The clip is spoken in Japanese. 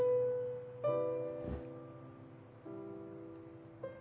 うん。